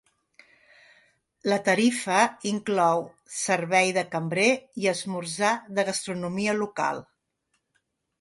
La tarifa inclou servei de cambrer i esmorzar de gastronomia local.